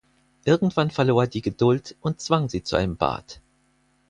Irgendwann verlor er die Geduld und zwang sie zu einem Bad.